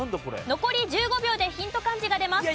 残り１５秒でヒント漢字が出ます。